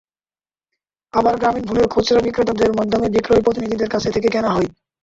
আবার গ্রামীণফোনের খুচরা বিক্রেতাদের মাধ্যমে বিক্রয় প্রতিনিধিদের কাছে থেকে কেনা হয়।